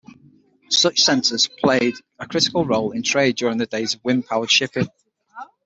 Such centers played a critical role in trade during the days of wind-powered shipping.